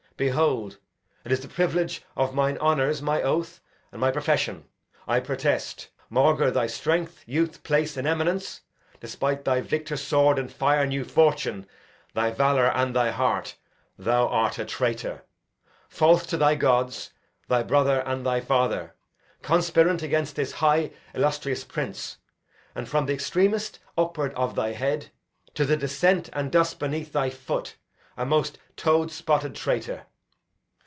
Behold, it is the privilege of mine honours, My oath, and my profession. I protest Maugre thy strength, youth, place, and eminence, Despite thy victor sword and fire new fortune, Thy valour and thy heart thou art a traitor; False to thy gods, thy brother, and thy father; Conspirant 'gainst this high illustrious prince; And from th' extremest upward of thy head To the descent and dust beneath thy foot, A most toad spotted traitor.